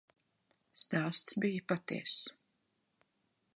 Stāsts bija patiess.